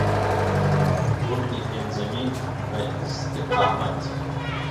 ڕوکنی پێنجەمین بە ئیستیقامەت